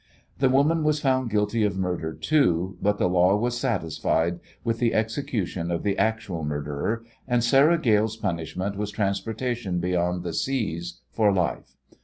The woman was found guilty of murder, too, but the law was satisfied with the execution of the actual murderer, and Sarah Gale's punishment was transportation beyond the seas for life.